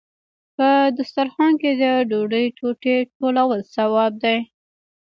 په دسترخان کې د ډوډۍ ټوټې ټولول ثواب دی.